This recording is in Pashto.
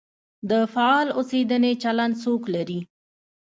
د فعال اوسېدنې چلند څوک لري؟